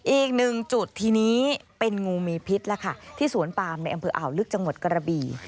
อีกหนึ่งจุดทีนี้เป็นงูมีพิษแล้วค่ะที่สวนปามในอำเภออ่าวลึกจังหวัดกระบี่